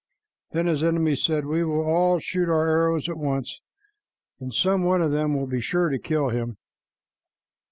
Then his enemies said, "We will all shoot our arrows at once, and some one of them will be sure to kill him."